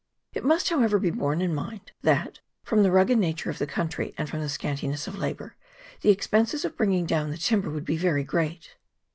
It must, however, be borne in mind, that, from the rugged nature of the country and from the scantiness of labour, the expenses of bring ing down the timber would be very great.